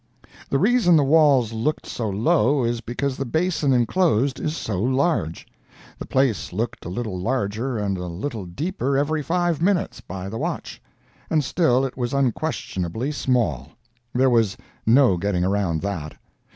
The reason the walls looked so low is because the basin inclosed is so large. The place looked a little larger and a little deeper every five minutes, by the watch. And still it was unquestionably small; there was no getting around that.